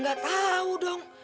ya gak tau dong